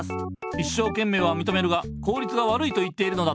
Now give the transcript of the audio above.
いっしょうけんめいはみとめるが効率が悪いと言っているのだ。